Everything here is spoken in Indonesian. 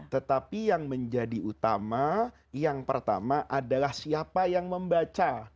tetapi yang menjadi utama yang pertama adalah siapa yang membaca